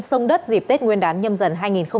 sông đất dịp tết nguyên đán nhâm dần hai nghìn hai mươi bốn